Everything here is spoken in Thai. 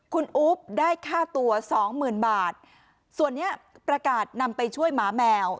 คุณอุ๊บได้ค่าตัวสองหมื่นบาทส่วนนี้ประกาศนำไปช่วยหมาแมว